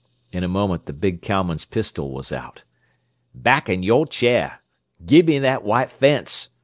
In a moment the big cowman's pistol was out. "Back in your chair! Give me that white fence!"